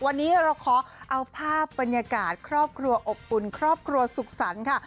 วันนี้เราขอเอาภาพบรรยากาศครอบครัวอบอุ่นครอบครัวสุขสรรค์ค่ะ